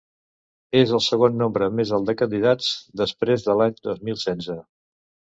És el segon nombre més alt de candidats, després de l’any dos mil setze.